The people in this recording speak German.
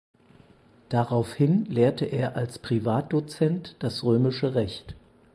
Daraufhin lehrte er als Privatdozent das Römische Recht.